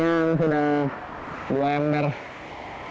sekarang kita siap siap buat ngebersihin